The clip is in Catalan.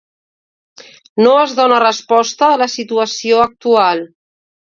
No es dóna resposta a la situació actual.